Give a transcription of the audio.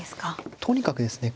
とにかくですね